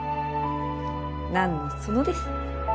なんのそのです。